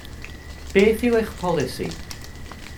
Beth yw eich polisi?